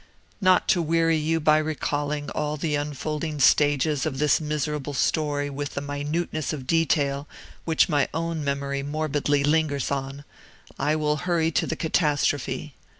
"Not to weary you by recalling all the unfolding stages of this miserable story with the minuteness of detail which my own memory morbidly lingers on, I will hurry to the catastrophe.